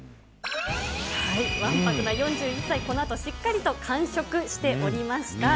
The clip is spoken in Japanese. わんぱくな４１歳、このあと、しっかりと完食しておりました。